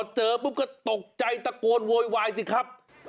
เจอปุ๊บก็ตกใจตะโกนโวยวายสิครับ